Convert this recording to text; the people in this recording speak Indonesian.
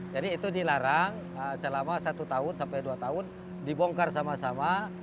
jadi itu dilarang selama satu tahun sampai dua tahun dibongkar sama sama